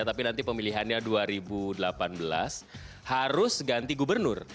tapi nanti pemilihannya dua ribu delapan belas harus ganti gubernur